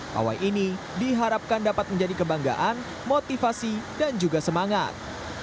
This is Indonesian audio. pawai ini diharapkan dapat menjadi kebanggaan motivasi dan juga semangat